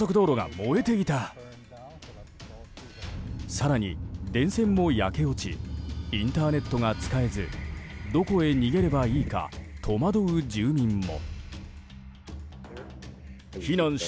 更に、電線も焼け落ちインターネットが使えずどこへ逃げればいいか戸惑う住民も。